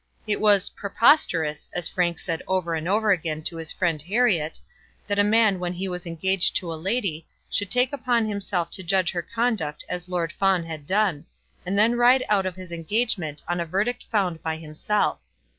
It was "preposterous," as Frank said over and over again to his friend Herriot, that a man when he was engaged to a lady, should take upon himself to judge her conduct as Lord Fawn had done, and then ride out of his engagement on a verdict found by himself.